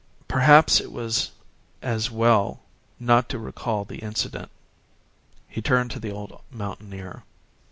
Perhaps it was as well not to recall the incident. He turned to the old mountaineer.